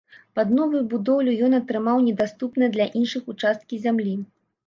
Пад новую будоўлю ён атрымаў недаступныя для іншых участкі зямлі.